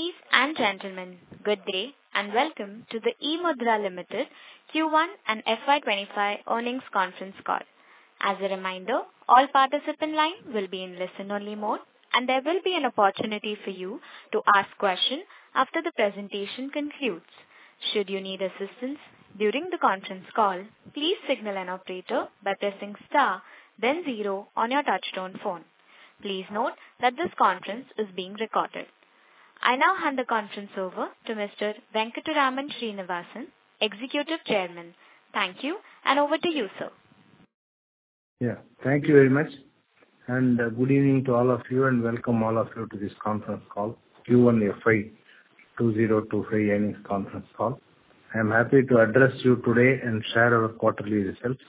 Ladies and gentlemen, good day and welcome to the eMudhra Limited Q1 and FY 2025 earnings conference call. As a reminder, all participants' lines will be in listen-only mode, and there will be an opportunity for you to ask questions after the presentation concludes. Should you need assistance during the conference call, please signal an operator by pressing star, then zero on your touch-tone phone. Please note that this conference is being recorded. I now hand the conference over to Mr. Venkataraman Srinivasan, Executive Chairman. Thank you, and over to you, sir. Yeah. Thank you very much, and good evening to all of you, and welcome all of you to this conference call, Q1 FY 2025 earnings conference call. I am happy to address you today and share our quarterly results.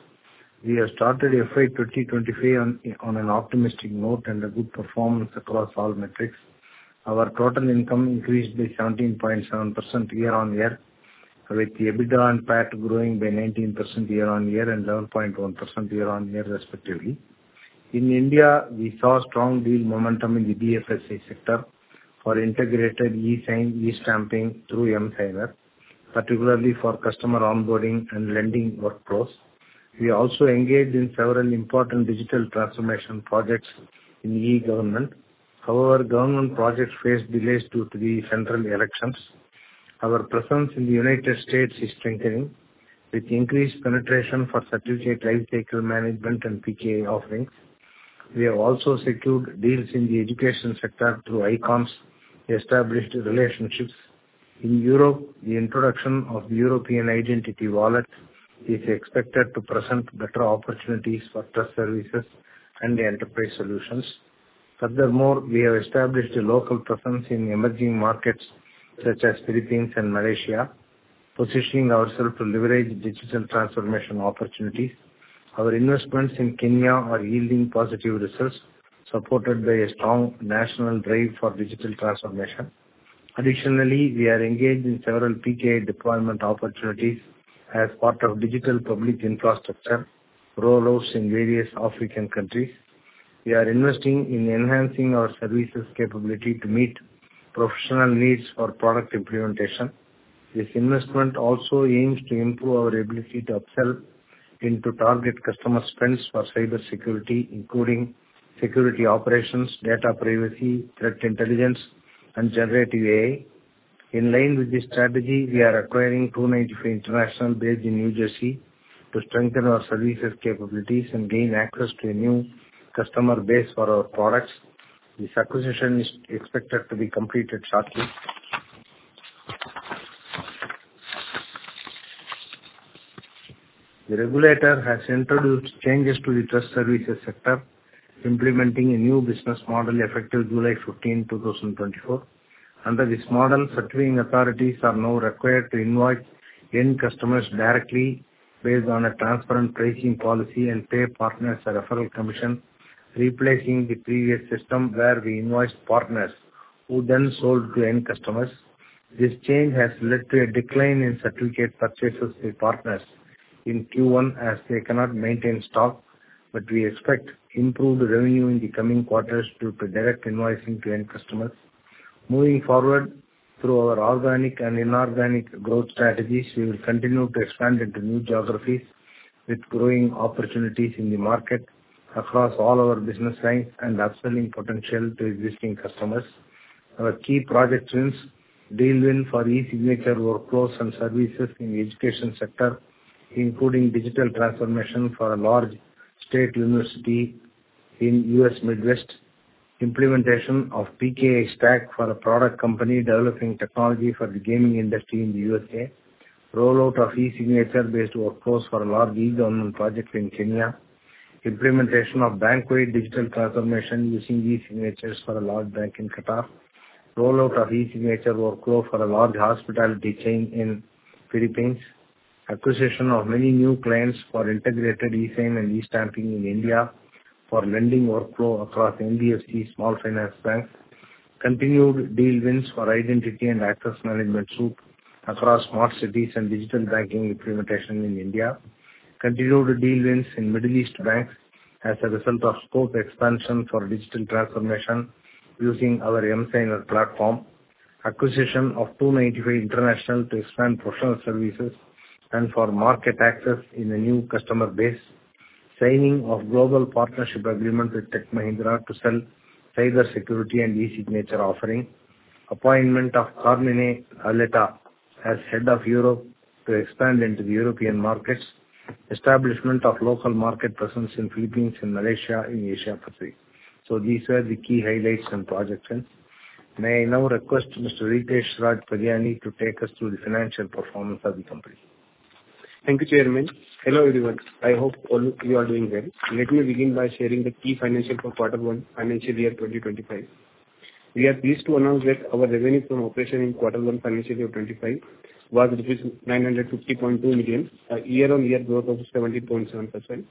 We have started FY 2025 on an optimistic note and a good performance across all metrics. Our total income increased by 17.7% year-on-year, with the EBITDA and PAT growing by 19% year-on-year and 11.1% year-on-year, respectively. In India, we saw strong deal momentum in the BFSI sector for integrated eSign, eStamping through emSigner, particularly for customer onboarding and lending workflows. We also engaged in several important digital transformation projects in eGovernment. However, government projects faced delays due to the central elections. Our presence in the United States is strengthening, with increased penetration for certificate life-cycle management and PKI offerings. We have also secured deals in the education sector through Ikon's established relationships. In Europe, the introduction of European identity wallets is expected to present better opportunities for trust services and enterprise solutions. Furthermore, we have established a local presence in emerging markets such as the Philippines and Malaysia, positioning ourselves to leverage digital transformation opportunities. Our investments in Kenya are yielding positive results, supported by a strong national drive for digital transformation. Additionally, we are engaged in several PKI deployment opportunities as part of digital public infrastructure rollouts in various African countries. We are investing in enhancing our services capability to meet professional needs for product implementation. This investment also aims to improve our ability to upsell into target customer spends for cybersecurity, including security operations, data privacy, threat intelligence, and generative AI. In line with this strategy, we are acquiring Two95 International-based in New Jersey to strengthen our services capabilities and gain access to a new customer base for our products. This acquisition is expected to be completed shortly. The regulator has introduced changes to the trust services sector, implementing a new business model effective July 15, 2024. Under this model, certain authorities are now required to invoice end customers directly based on a transparent pricing policy and pay partners a referral commission, replacing the previous system where we invoiced partners who then sold to end customers. This change has led to a decline in certificate purchases with partners in Q1 as they cannot maintain stock, but we expect improved revenue in the coming quarters due to direct invoicing to end customers. Moving forward through our organic and inorganic growth strategies, we will continue to expand into new geographies with growing opportunities in the market across all our business lines and upselling potential to existing customers. Our key project wins, deal wins for e-signature workflows and services in the education sector, including digital transformation for a large state university in the U.S. Midwest, implementation of PKI stack for a product company developing technology for the gaming industry in the USA, rollout of e-signature-based workflows for a large eGovernment project in Kenya, implementation of bank-wide digital transformation using e-signatures for a large bank in Qatar, rollout of e-signature workflow for a large hospitality chain in the Philippines, acquisition of many new clients for integrated eSign and eStamping in India for lending workflow across NBFC small finance banks, continued deal wins for identity and access management suite across smart cities and digital banking implementation in India, continued deal wins in Middle East banks as a result of scope expansion for digital transformation using our emSigner platform, acquisition of Ikon to expand personal services and for market access in a new customer base, signing of global partnership agreement with Tech Mahindra to sell cybersecurity and e-signature offering, appointment of Carmine Auletta as head of Europe to expand into the European markets, establishment of local market presence in the Philippines and Malaysia in Asia Pacific. These were the key highlights and project wins. May I now request Mr. Ritesh Raj Pariyani to take us through the financial performance of the company? Thank you, Chairman. Hello everyone. I hope all of you are doing well. Let me begin by sharing the key financials for Q1 FY 2025. We are pleased to announce that our revenue from operations in Q1 FY 2025 was INR 950.2 million, a year-on-year growth of 70.7%.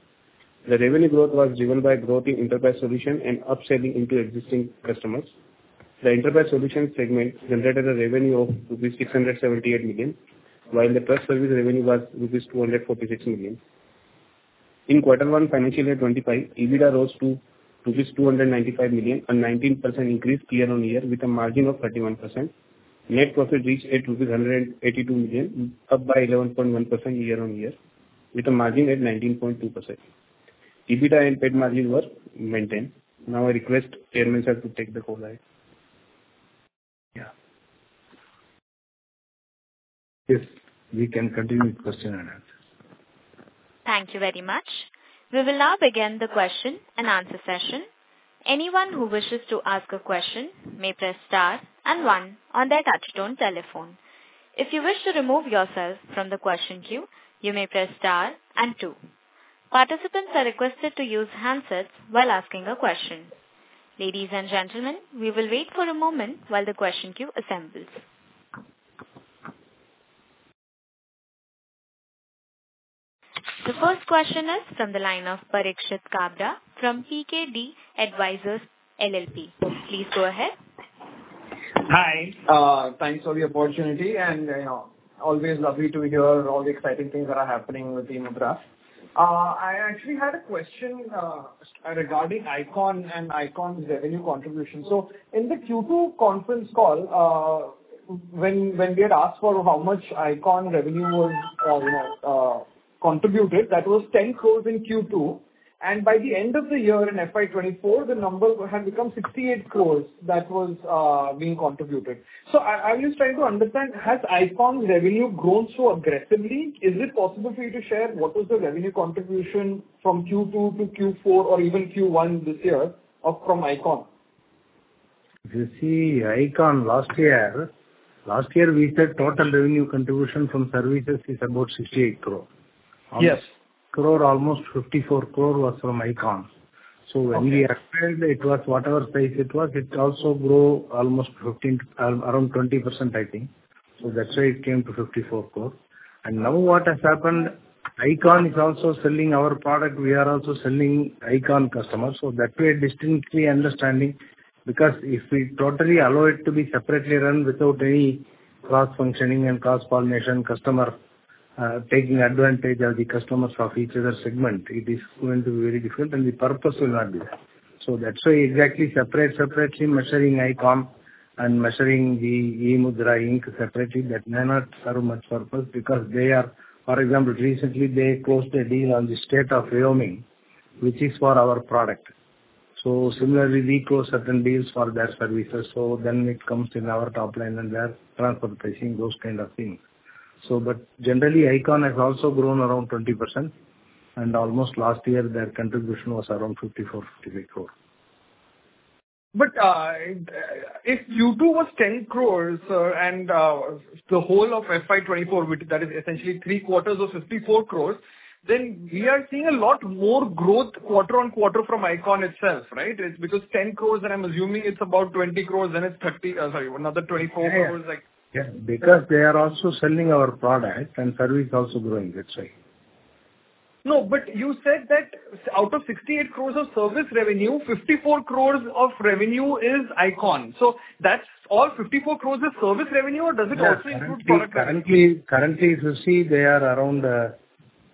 The revenue growth was driven by growth in enterprise solution and upselling into existing customers. The enterprise solution segment generated a revenue of rupees 678 million, while the trust service revenue was rupees 246 million. In Q1 FY 2025, EBITDA rose to rupees 295 million, a 19% increase year-on-year with a margin of 31%. Net profit reached rupees 182 million, up by 11.1% year-on-year with a margin at 19.2%. EBITDA and PAT margins were maintained. Now I request Chairman Sir to take the call. Yeah. Yes. We can continue with question and answer. Thank you very much. We will now begin the question and answer session. Anyone who wishes to ask a question may press star and one on their touch-tone telephone. If you wish to remove yourself from the question queue, you may press star and two. Participants are requested to use handsets while asking a question. Ladies and gentlemen, we will wait for a moment while the question queue assembles. The first question is from the line of Parikshit Kabra from PKD Advisors LLP. Please go ahead. Hi. Thanks for the opportunity. Always lovely to hear all the exciting things that are happening with eMudhra. I actually had a question regarding Ikon and Ikon's revenue contribution. So in the Q2 conference call, when we had asked for how much Ikon revenue was contributed, that was 10 crores in Q2. And by the end of the year in FY 2024, the number had become 68 crores that was being contributed. So I was trying to understand, has Ikon's revenue grown so aggressively? Is it possible for you to share what was the revenue contribution from Q2-Q4 or even Q1 this year from Ikon? You see, Ikon last year, last year we said total revenue contribution from services is about 68 crore. Yes. crore, almost 54 crore was from Ikon. So when we expanded, it was whatever size it was, it also grew almost around 20%, I think. So that's why it came to 54 crore. And now what has happened, Ikon is also selling our product. We are also selling Ikon customers. So that way, distinctly understanding because if we totally allow it to be separately run without any cross-functioning and cross-pollination, customer taking advantage of the customers of each other segment, it is going to be very difficult, and the purpose will not be there. So that's why exactly separate, separately measuring Ikon and measuring the eMudhra Inc separately, that may not serve much purpose because they are, for example, recently they closed a deal on the state of Wyoming, which is for our product. So similarly, we close certain deals for their services. So then it comes in our top line and their transfer pricing, those kind of things. But generally, Ikon has also grown around 20%. Almost last year, their contribution was around 54-58 crores. But if Q2 was 10 crore and the whole of FY 2024, which that is essentially three quarters of 54 crore, then we are seeing a lot more growth quarter-on-quarter from Ikon itself, right? It's because 10 crore, then I'm assuming it's about 20 crore, then it's 30, sorry, another 24 crore. Yeah. Because they are also selling our product and service also growing. That's why. No, but you said that out of 68 crores of service revenue, 54 crores of revenue is Ikon. So that's all 54 crores of service revenue, or does it also include product revenue? Currently, you see, they are around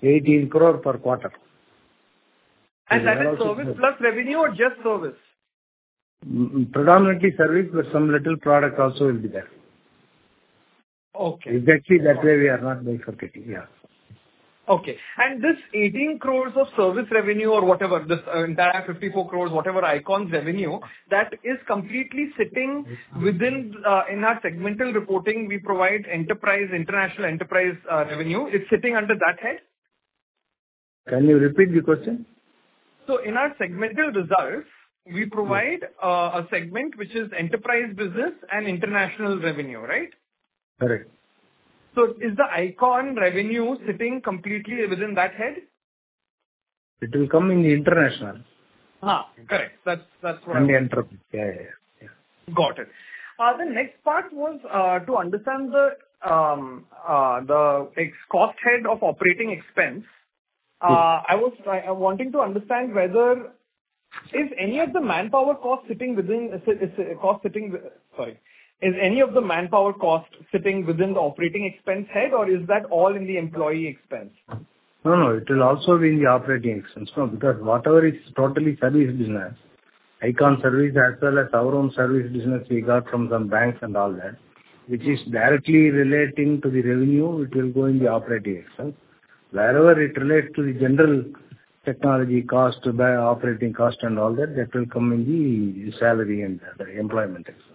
18 crore per quarter. That is service plus revenue or just service? Predominantly service, but some little product also will be there. Okay. Exactly that way we are not bifurcating. Yeah. Okay. And this 18 crore of service revenue or whatever, this entire 54 crore, whatever Ikon's revenue, that is completely sitting within our segmental reporting we provide enterprise, international enterprise revenue. It's sitting under that head? Can you repeat the question? In our segmental results, we provide a segment which is enterprise business and international revenue, right? Correct. Is the Ikon revenue sitting completely within that head? It will come in the international. Correct. That's what I was. In the inter. Yeah, yeah, yeah. Got it. The next part was to understand the cost head of operating expense. I was wanting to understand whether is any of the manpower cost sitting within the operating expense head, or is that all in the employee expense? No, no. It will also be in the operating expense. No, because whatever is totally service business, Ikon service as well as our own service business we got from some banks and all that, which is directly relating to the revenue, it will go in the operating expense. Wherever it relates to the general technology cost, operating cost, and all that, that will come in the salary and the employment expense.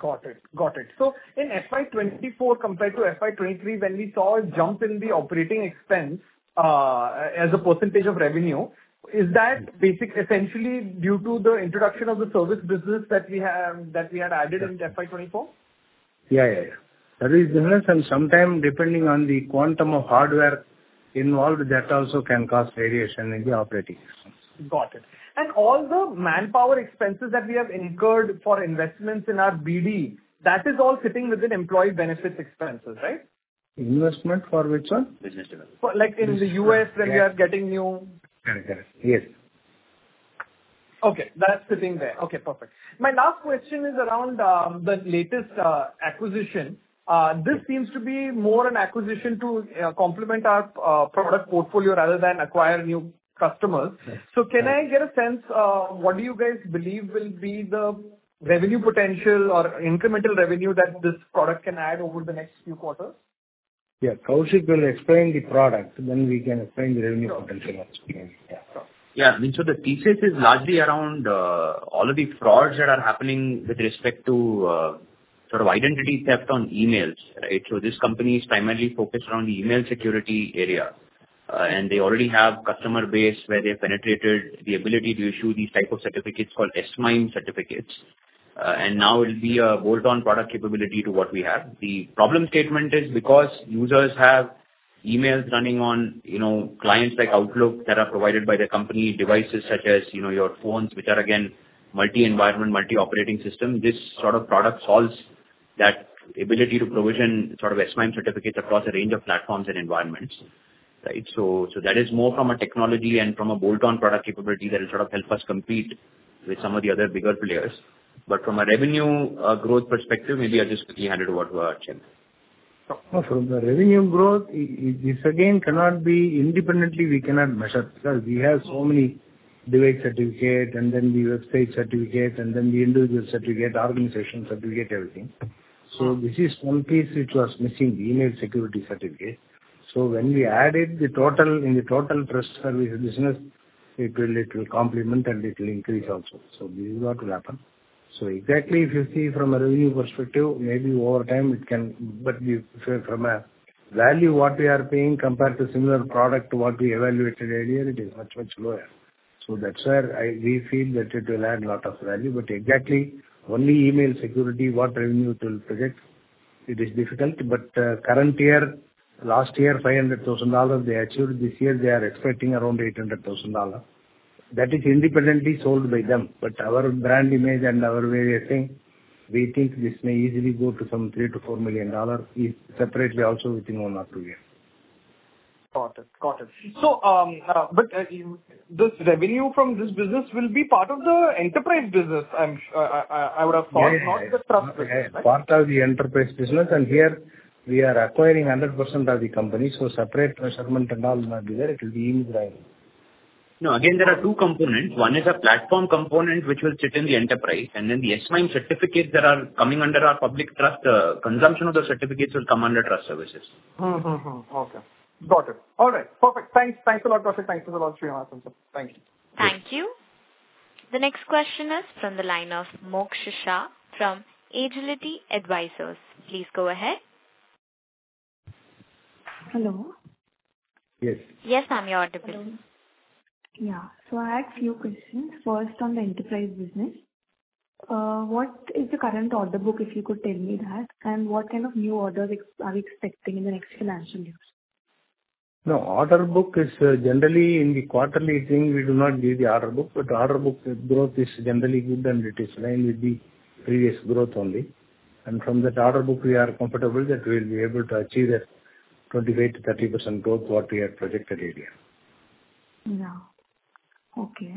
Got it. Got it. So in FY 2024 compared to FY 2023, when we saw a jump in the operating expense as a percentage of revenue, is that essentially due to the introduction of the service business that we had added in FY 2024? Yeah, yeah, yeah. Service business, and sometimes depending on the quantum of hardware involved, that also can cause variation in the operating expense. Got it. All the manpower expenses that we have incurred for investments in our BD, that is all sitting within employee benefits expenses, right? Investment for which one? Like in the U.S. when you are getting new. Correct, correct. Yes. Okay. That's sitting there. Okay. Perfect. My last question is around the latest acquisition. This seems to be more an acquisition to complement our product portfolio rather than acquire new customers. Can I get a sense of what do you guys believe will be the revenue potential or incremental revenue that this product can add over the next few quarters? Yes. How it will explain the product, then we can explain the revenue potential. Yeah. I mean, so the thesis is largely around all of the frauds that are happening with respect to sort of identity theft on emails, right? So this company is primarily focused around the email security area. And they already have customer base where they have penetrated the ability to issue these types of certificates called S/MIME certificates. And now it'll be a bolt-on product capability to what we have. The problem statement is because users have emails running on clients like Outlook that are provided by the company devices such as your phones, which are again multi-environment, multi-operating system. This sort of product solves that ability to provision sort of S/MIME certificates across a range of platforms and environments, right? So that is more from a technology and from a bolt-on product capability that will sort of help us compete with some of the other bigger players. From a revenue growth perspective, maybe I'll just quickly hand it over to Chairman. From the revenue growth, this again cannot be independently. We cannot measure because we have so many device certificate and then the website certificate and then the individual certificate, organization certificate, everything. So this is one piece which was missing, the email security certificate. So when we added the total in the total trust service business, it will complement and it will increase also. So this is what will happen. So exactly if you see from a revenue perspective, maybe over time it can, but from a value what we are paying compared to similar product to what we evaluated earlier, it is much, much lower. So that's where we feel that it will add a lot of value. But exactly only email security, what revenue it will project, it is difficult. But current year, last year, $500,000 they achieved. This year they are expecting around $800,000. That is independently sold by them. But our brand image and our various thing, we think this may easily go to some INR 3 million-INR 4 million separately also within one or two years. Got it. Got it. So but this revenue from this business will be part of the enterprise business, I would have thought, not the trust business, right? Yes. Part of the enterprise business. And here we are acquiring 100% of the company. So separate measurement and all will not be there. It will be in the driving. No. Again, there are two components. One is a platform component which will sit in the enterprise. And then the S/MIME certificates that are coming under our public trust, the consumption of the certificates will come under trust services. Okay. Got it. All right. Perfect. Thanks. Thanks a lot, Ritesh. Thanks a lot, Srinivasan Sir. Thank you. Thank you. The next question is from the line of Moksha Shah from Agility Advisors. Please go ahead. Hello? Yes. Yes, ma'am. You're audible. Yeah. So I have a few questions. First, on the enterprise business, what is the current order book if you could tell me that? And what kind of new orders are we expecting in the next financial years? No. Order book is generally in the quarterly thing. We do not do the order book. But order book growth is generally good, and it is aligned with the previous growth only. And from that order book, we are comfortable that we will be able to achieve that 25%-30% growth what we had projected earlier. Yeah. Okay.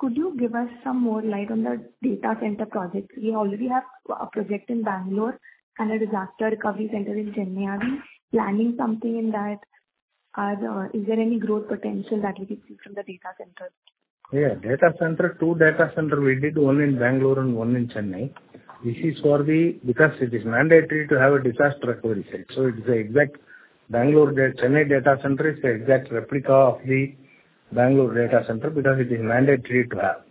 Could you give us some more light on the data center project? We already have a project in Bangalore and a disaster recovery center in Chennai. Are we planning something in that? Is there any growth potential that we could see from the data center? Yeah. Data center, two data center. We did 1 in Bangalore and 1 in Chennai. This is for the because it is mandatory to have a disaster recovery site. So it's the exact Bangalore Chennai data center is the exact replica of the Bangalore data center because it is mandatory to have.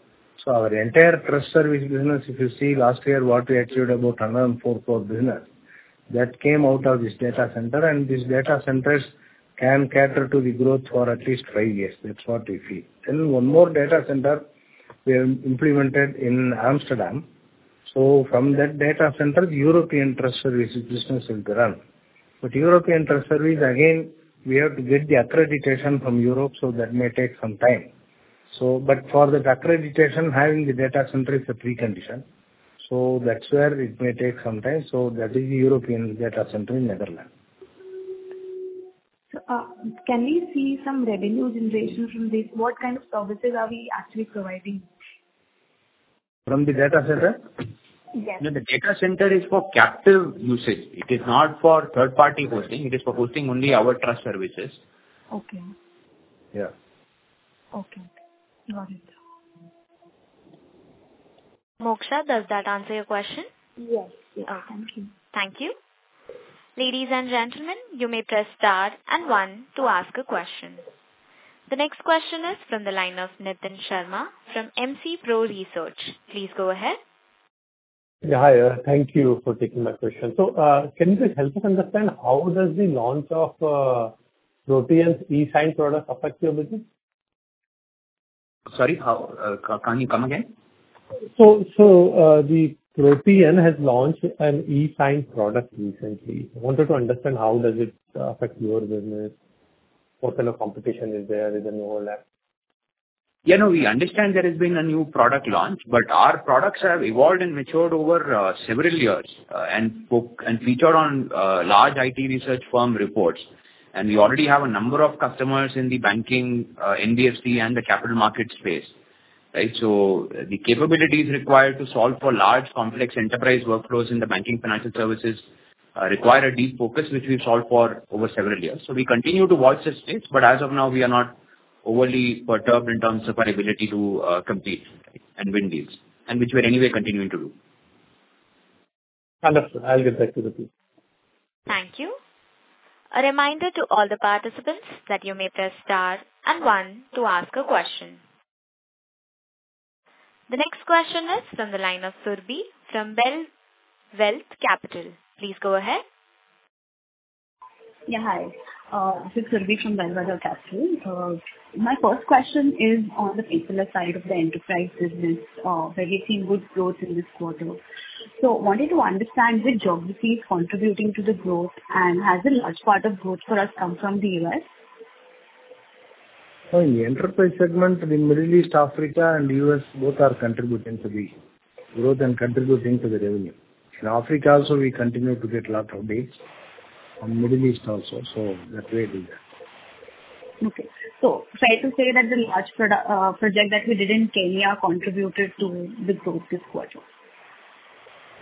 So our entire trust service business, if you see last year what we achieved, about 104 crore business, that came out of this data center. And these data centers can cater to the growth for at least five years. That's what we feel. And 1 more data center we have implemented in Amsterdam. So from that data center, European trust service business will be run. But European trust service, again, we have to get the accreditation from Europe, so that may take some time. But for that accreditation, having the data center is a precondition. That's where it may take some time. That is the European data center in Netherlands. Can we see some revenue generation from this? What kind of services are we actually providing? From the data center? Yes. The data center is for captive usage. It is not for third-party hosting. It is for hosting only our trust services. Okay. Yeah. Okay. Got it. Mokshi Shah, does that answer your question? Yes. Yes. Okay. Thank you. Thank you. Ladies and gentlemen, you may press star and one to ask a question. The next question is from the line of Nitin Sharma from MC Pro Research. Please go ahead. Yeah. Hi. Thank you for taking my question. Can you help us understand how does the launch of Protean's e-sign product affect your business? Sorry? Can you come again? So the Protean has launched an eSign product recently. I wanted to understand how does it affect your business? What kind of competition is there? Is there no overlap? Yeah. No, we understand there has been a new product launch, but our products have evolved and matured over several years and featured on large IT research firm reports. And we already have a number of customers in the banking, NBFC, and the capital market space, right? So the capabilities required to solve for large complex enterprise workflows in the banking financial services require a deep focus, which we've solved for over several years. So we continue to watch the space, but as of now, we are not overly perturbed in terms of our ability to compete and win deals, and which we are anyway continuing to do. Understood. I'll get back to the piece. Thank you. A reminder to all the participants that you may press star and one to ask a question. The next question is from the line of Surbhi from Vallum Capital. Please go ahead. Yeah. Hi. This is Surbi from Vallum Capital. My first question is on the particular side of the enterprise business where we've seen good growth in this quarter. So I wanted to understand which geographies are contributing to the growth, and has a large part of growth for us come from the U.S.? In the enterprise segment, the Middle East, Africa, and the U.S. both are contributing to the growth and contributing to the revenue. In Africa also, we continue to get a lot of deals from the Middle East also. That way we do that. Okay. Fair to say that the large project that we did in Kenya contributed to the growth this quarter?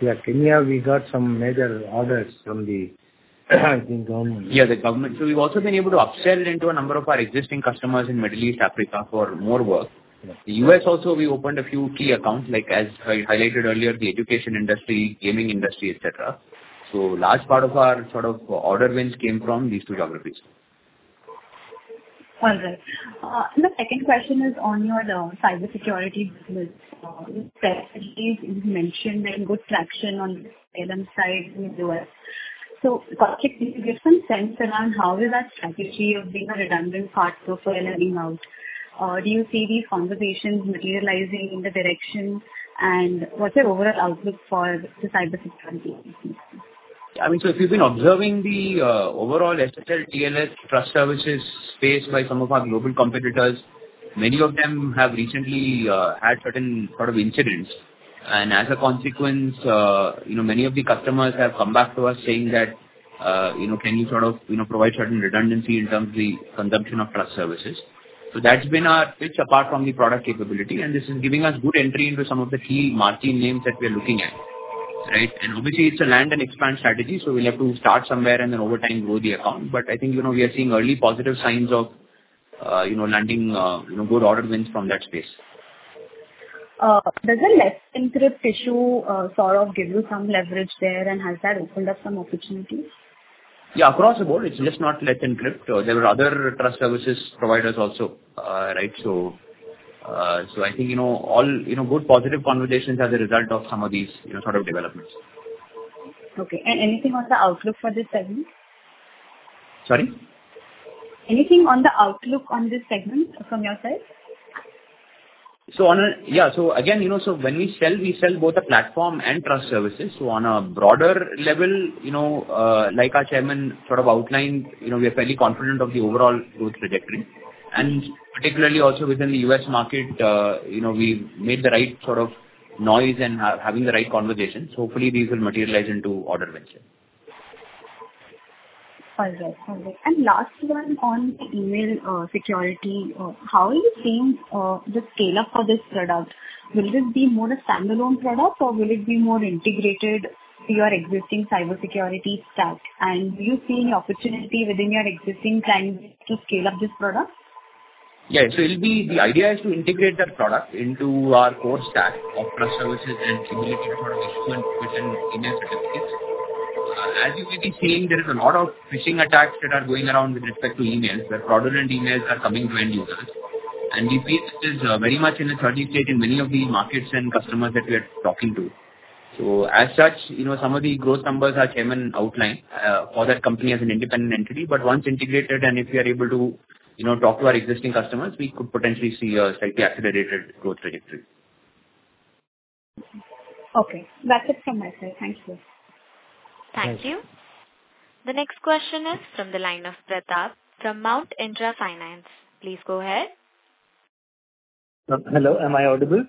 Yeah. Kenya, we got some major orders from the, I think, government. Yeah. The government. So we've also been able to upsell into a number of our existing customers in Middle East, Africa for more work. The U.S. also, we opened a few key accounts, like as I highlighted earlier, the education industry, gaming industry, etc. So a large part of our sort of order wins came from these two geographies. Well done. The second question is on your cybersecurity business. You mentioned there's good traction on the emAS side in the U.S. So Ritesh, can you give some sense around how is that strategy of being a redundant hardware for emAS? Do you see these conversations materializing in the direction? And what's your overall outlook for the cybersecurity? I mean, so if you've been observing the overall SSL/TLS trust services space by some of our global competitors, many of them have recently had certain sort of incidents. As a consequence, many of the customers have come back to us saying that, "Can you sort of provide certain redundancy in terms of the consumption of trust services?" That's been our pitch apart from the product capability. This is giving us good entry into some of the key market names that we are looking at, right? Obviously, it's a land and expand strategy, so we'll have to start somewhere and then over time grow the account. But I think we are seeing early positive signs of landing good order wins from that space. Does the Entrust issue sort of give you some leverage there and has that opened up some opportunities? Yeah. Across the board, it's just not Entrust. There are other trust services providers also, right? So I think all good positive conversations are the result of some of these sort of developments. Okay. Anything on the outlook for this segment? Sorry? Anything on the outlook on this segment from your side? Yeah. So again, so when we sell, we sell both a platform and trust services. So on a broader level, like our chairman sort of outlined, we are fairly confident of the overall growth trajectory. And particularly also within the U.S. market, we've made the right sort of noise and having the right conversations. Hopefully, these will materialize into order wins here. All right. All right. And last one on email security. How are you seeing the scale-up for this product? Will this be more a standalone product, or will it be more integrated to your existing cybersecurity stack? And do you see any opportunity within your existing clients to scale up this product? Yeah. So the idea is to integrate that product into our core stack of trust services and S/MIME certificates. As you may be seeing, there is a lot of phishing attacks that are going around with respect to emails. There fraudulent emails are coming to end users. And we feel this is very much in a surge state in many of the markets and customers that we are talking to. So as such, some of the growth numbers our chairman outlined for that company as an independent entity. But once integrated and if we are able to talk to our existing customers, we could potentially see a slightly accelerated growth trajectory. Okay. That's it from my side. Thank you. Thank you. The next question is from the line of Pratap from Mount Intra Finance. Please go ahead. Hello. Am I audible?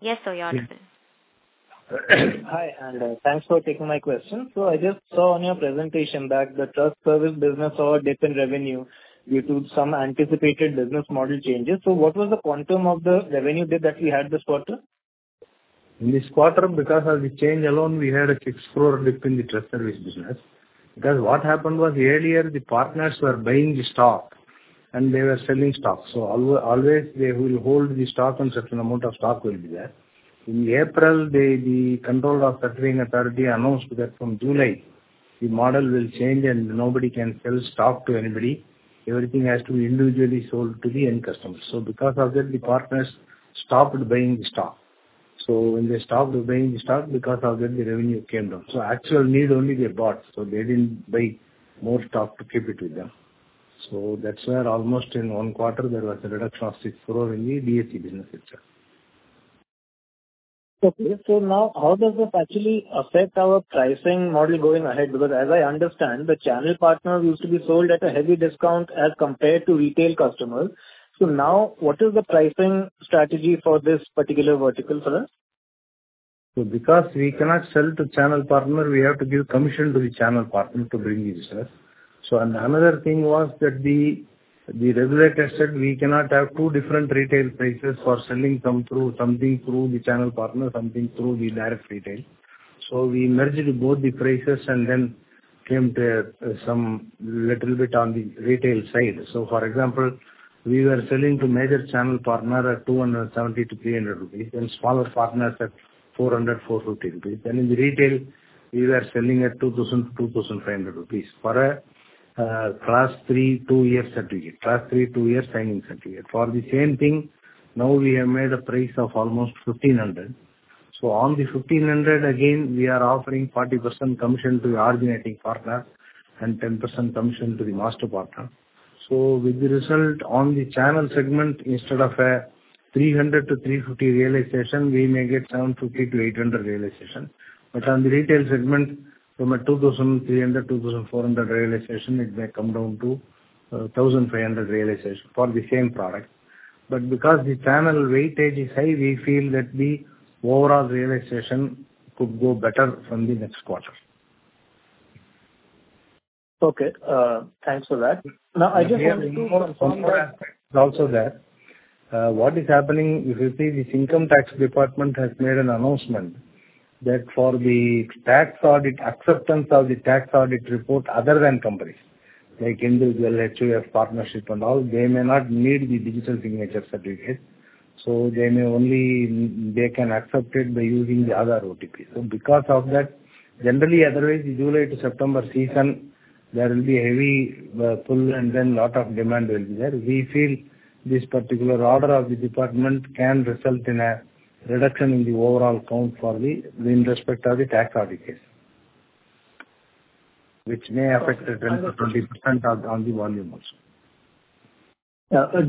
Yes, sir. You're audible. Hi. Thanks for taking my question. I just saw on your presentation that the trust service business saw a dip in revenue due to some anticipated business model changes. What was the quantum of the revenue dip that we had this quarter? This quarter, because of the change alone, we had a 64% dip in the trust service business. Because what happened was earlier, the partners were buying the stock, and they were selling stock. Always they will hold the stock, and a certain amount of stock will be there. In April, the Controller of Certifying Authorities announced that from July, the model will change and nobody can sell stock to anybody. Everything has to be individually sold to the end customers. Because of that, the partners stopped buying the stock. So when they stopped buying the stock, because of that, the revenue came down. So actual need only they bought. So they didn't buy more stock to keep it with them. So that's where almost in one quarter, there was a reduction of 64 in the DSC business itself. Okay. So now, how does this actually affect our pricing model going ahead? Because as I understand, the channel partners used to be sold at a heavy discount as compared to retail customers. So now, what is the pricing strategy for this particular vertical for us? So because we cannot sell to channel partners, we have to give commission to the channel partner to bring the business. So another thing was that the regulator said we cannot have two different retail prices for selling something through the channel partner, something through the direct retail. So we merged both the prices and then came to some little bit on the retail side. So for example, we were selling to major channel partners at 270-300 rupees, and smaller partners at 400-450 rupees. And in the retail, we were selling at 2,000-2,500 rupees for a class three two-year certificate, class three two-year signing certificate. For the same thing, now we have made a price of almost 1,500. So on the 1,500, again, we are offering 40% commission to the originating partner and 10% commission to the master partner. With the result, on the channel segment, instead of a 300-350 realization, we may get 750-800 realization. On the retail segment, from a 2,300-2,400 realization, it may come down to 1,500 realization for the same product. Because the channel weightage is high, we feel that the overall realization could go better from the next quarter. Okay. Thanks for that. Now, I just wanted to. One more aspect is also that what is happening, if you see, this income tax department has made an announcement that for the tax audit acceptance of the tax audit report, other than companies like Individual, HUF, Partnership, and all, they may not need the digital signature certificate. So they may only, they can accept it by using the other OTP. So because of that, generally, otherwise, in July to September season, there will be heavy pull, and then a lot of demand will be there. We feel this particular order of the department can result in a reduction in the overall count for the respect of the tax audit case, which may affect 10%-20% on the volume also.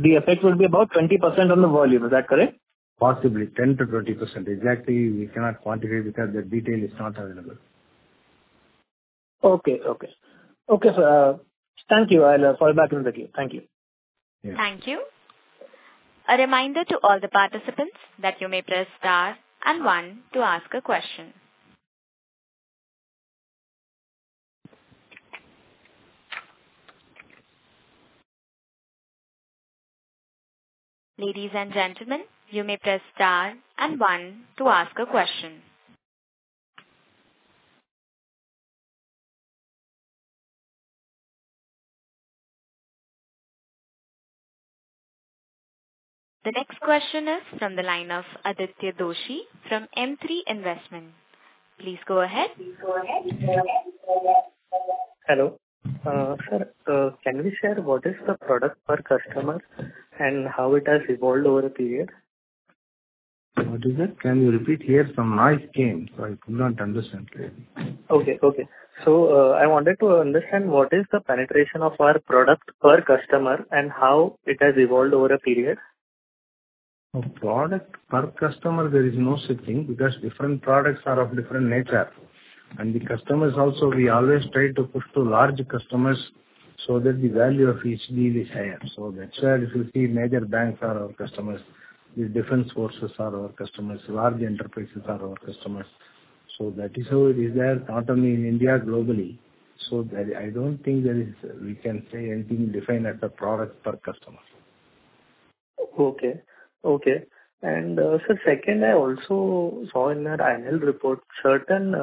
The effect would be about 20% on the volume. Is that correct? Possibly 10%-20%. Exactly, we cannot quantify because the detail is not available. Okay. Okay. Okay. Thank you. I'll fall back on the key. Thank you. Thank you. A reminder to all the participants that you may press star and one to ask a question. Ladies and gentlemen, you may press star and one to ask a question. The next question is from the line of Aditya Doshi from M3 Investment. Please go ahead. Hello. Sir, can you share what is the product per customer and how it has evolved over a period? What is that? Can you repeat here? Some noise came, so I could not understand clearly. Okay. Okay. So I wanted to understand what is the penetration of our product per customer and how it has evolved over a period? Product per customer, there is no such thing because different products are of different nature. The customers also, we always try to push to large customers so that the value of each deal is higher. That's why if you see major banks are our customers, the defense forces are our customers, large enterprises are our customers. That is how it is there, not only in India, globally. I don't think there is, we can say anything defined as a product per customer. Okay. Okay. And sir, second, I also saw in that Annual report, certain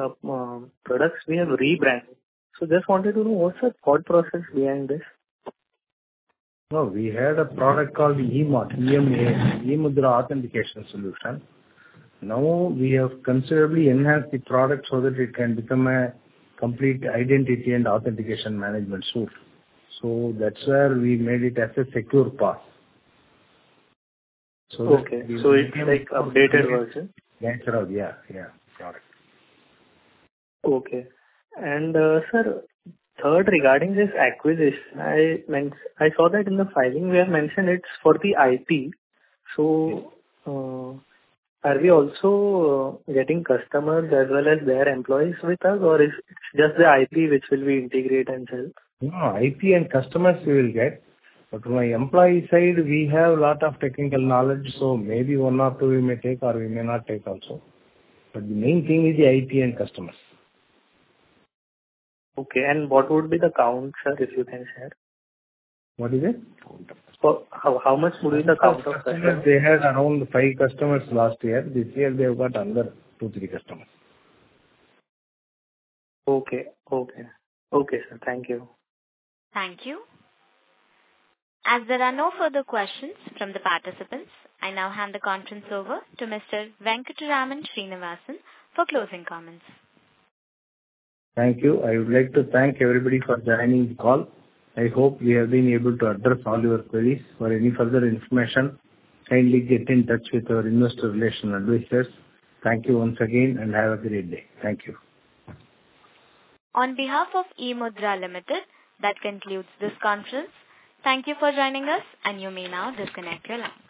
products we have rebranded. So just wanted to know what's the thought process behind this? No. We had a product called emAS, EMA, eMudhra Authentication Solution. Now we have considerably enhanced the product so that it can become a complete identity and authentication management suite. So that's where we made it as a SecurePass. Okay. So it's like updated version? Natural. Yeah. Yeah. Got it. Okay. Sir, third, regarding this acquisition, I saw that in the filing, we have mentioned it's for the IT. So are we also getting customers as well as their employees with us, or it's just the IT which will be integrated and sales? No, IT and customers we will get. But on the employee side, we have a lot of technical knowledge, so maybe one or two we may take or we may not take also. But the main thing is the IT and customers. Okay. What would be the count, sir, if you can share? What is it? How much would be the count of customers? They had around 5 customers last year. This year, they've got another two, three customers. Okay. Okay. Okay, sir. Thank you. Thank you. As there are no further questions from the participants, I now hand the conference over to Mr. Venkataraman Srinivasan for closing comments. Thank you. I would like to thank everybody for joining the call. I hope we have been able to address all your queries. For any further information, kindly get in touch with our investor relations advisors. Thank you once again, and have a great day. Thank you. On behalf of eMudhra Ltd, that concludes this conference. Thank you for joining us, and you may now disconnect your line.